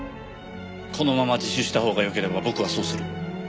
このまま自首したほうがよければ僕はそうする。